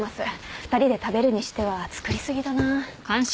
２人で食べるにしては作り過ぎだな。